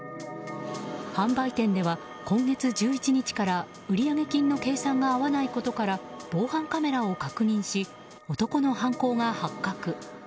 販売店では、今月１１日から売上金の計算が合わないことから防犯カメラを確認し男の犯行が発覚。